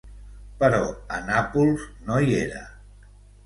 Però a Nàpols no hi era.